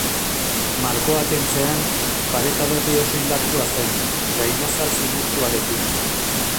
Markoa kentzean, pareta berria oso indartsua zen, gainazal zimurtsuarekin.